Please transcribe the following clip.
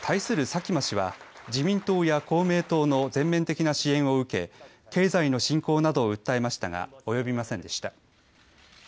佐喜真氏は、自民党や公明党の全面的な支援を受け、経済の振興などを訴えましたが及びませんでした。